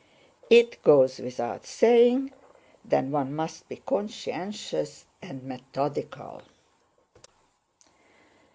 It goes without saying that one must be conscientious and methodical."